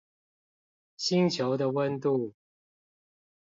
星球的溫度